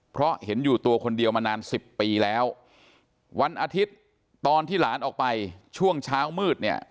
เพราะเห็นอยู่ตัวคนเดียวมานานสิบปีแล้ววันอาทิตย์ตอนที่หลานออกไปช่วงเช้ามืดเนี่ย